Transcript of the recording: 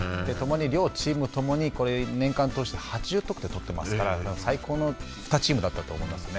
両チーム共にこれ、年間通して８０得点取っていますから最高の２チームだったと思いますね。